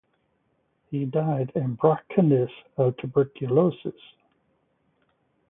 He died in Bucharest of tuberculosis.